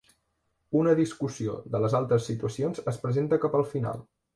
Una discussió de les altres situacions es presenta cap al final.